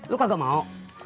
lo kagak mau